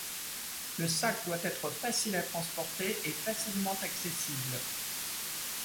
Le sac doit être facile à transporter et facilement accessible.